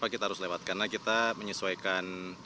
kita harus lewat karena kita menyesuaikan